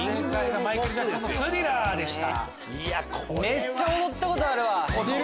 めっちゃ踊ったことあるわ！